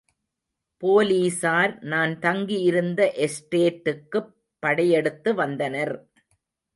போலீசார் நான் தங்கி இருந்த எஸ்டேட்டுக்குப் படையெடுத்து வந்தனர்.